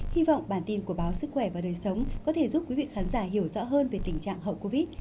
hy vọng bản tin của báo sức khỏe và đời sống có thể giúp quý vị khán giả hiểu rõ hơn về tình trạng hậu covid